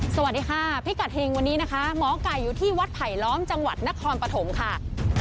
สวัสดีค่ะพิกัดเฮงวันนี้นะคะหมอไก่อยู่ที่วัดไผลล้อมจังหวัดนครปฐมค่ะ